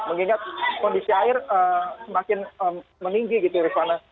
mengingat kondisi air semakin meninggi gitu rifana